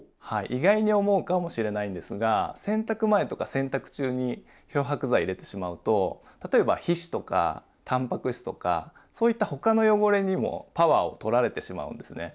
意外に思うかもしれないんですが洗濯前とか洗濯中に漂白剤入れてしまうと例えば皮脂とかタンパク質とかそういった他の汚れにもパワーを取られてしまうんですね。